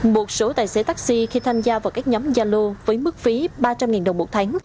một số tài xế taxi khi tham gia vào các nhóm gia lô với mức phí ba trăm linh đồng một tháng